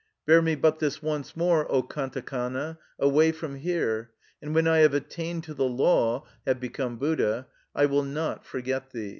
Bear me but this once more, O Kantakana, away from here, and when I have attained to the Law (have become Buddha) I will not forget thee" (Foe Koue Ki, trad.